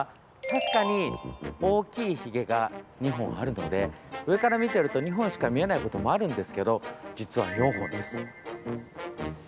確かに、大きいひげが２本あるので上から見てると、２本しか見えないこともあるんですけど実は４本です。